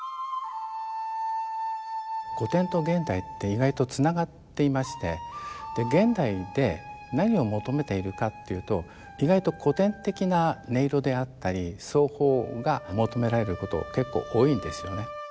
古典と現代って意外とつながっていまして現代で何を求めているかっていうと意外と古典的な音色であったり奏法が求められること結構多いんですよね。